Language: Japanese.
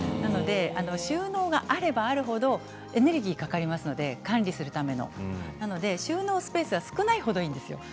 収納があればある程エネルギーがかかりますので管理するための収納スペースが少ない程いいんですよ。